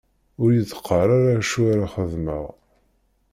Ur yi-d-qqar ara acu ara xedmeɣ!